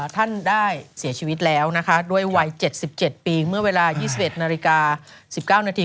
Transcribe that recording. ท่านได้เสียชีวิตแล้วนะคะด้วยวัย๗๗ปีเมื่อเวลา๒๑นาฬิกา๑๙นาที